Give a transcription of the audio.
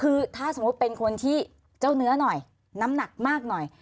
คือถ้าสมมุติเป็นคนที่เจ้าเนื้อหน่อยน้ำหนักมากหน่อย